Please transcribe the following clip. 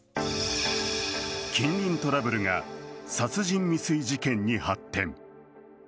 近隣トラブルが殺人未遂事件に発展。